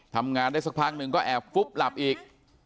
ทำงานได้สักพักหนึ่งก็แอบฟุบหลับอีก